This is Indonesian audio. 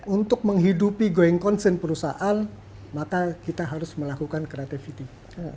untuk menghidupi going concern perusahaan maka kita harus melakukan creativity